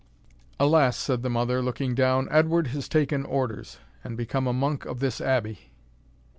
"Alas!" said the mother, looking down, "Edward has taken orders, and become a monk of this Abbey."